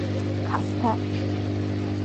卡斯泰。